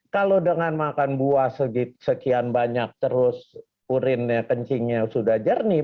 kalau dengan makan buah sekian banyak terus urinnya kencingnya sudah jernih